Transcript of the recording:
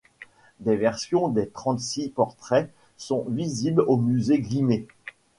Des versions des trente-six portraits sont visibles au Musée Guimet.